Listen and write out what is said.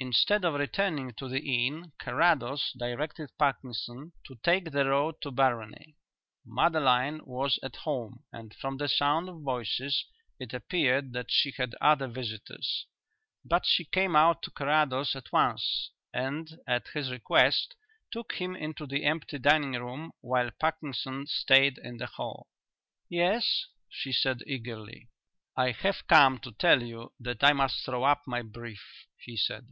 Instead of returning to the inn Carrados directed Parkinson to take the road to Barony. Madeline was at home, and from the sound of voices it appeared that she had other visitors, but she came out to Carrados at once, and at his request took him into the empty dining room while Parkinson stayed in the hall. "Yes?" she said eagerly. "I have come to tell you that I must throw up my brief," he said.